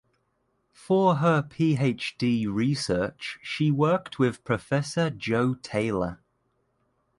For her PhD research she worked with Professor Joe Taylor.